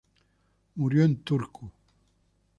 Murió en Turku.